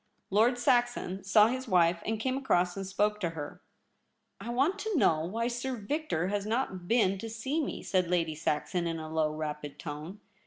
Lord Saxon saw his wife, and came across and spoke to her. * I want to know why Sir Victor has not been to see me,' said Lady Saxon, in a low, rapid tone.